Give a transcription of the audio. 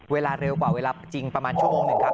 เวลาเร็วกว่าเวลาจริงประมาณชั่วโมงหนึ่งครับ